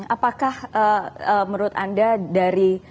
apakah menurut anda dari